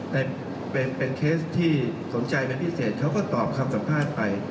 แต่เป็นเคสที่สนใจเป็นพิเศษเขาก็ตอบคำสัมภาษณ์ไป